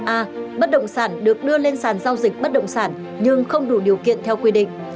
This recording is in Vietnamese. a bất động sản được đưa lên sàn giao dịch bất động sản nhưng không đủ điều kiện theo quy định